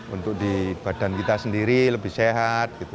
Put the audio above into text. untuk di badan kita sendiri lebih sehat